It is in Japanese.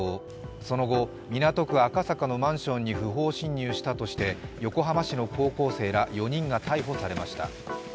その後、港区赤坂のマンションに不法侵入したとして、横浜市の高校生ら４人が逮捕されました。